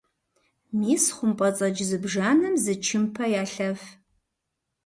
Мис хъумпӏэцӏэдж зыбжанэм зы чымпэ ялъэф.